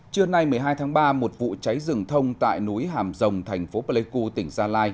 trưa nay một mươi hai tháng ba một vụ cháy rừng thông tại núi hàm rồng thành phố pleiku tỉnh gia lai